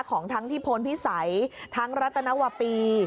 ของทั้งที่พลพิสัยทั้งรัตนวปี